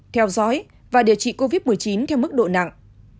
theo dõi và điều trị covid một mươi chín theo mức độ nặng